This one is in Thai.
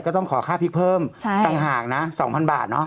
ก็ต้องขอค่าพริกเพิ่มต่างหากนะ๒๐๐บาทเนาะ